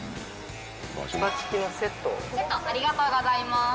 セットありがとうございます。